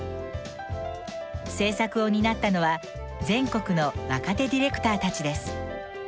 制作を担ったのは全国の若手ディレクターたちです。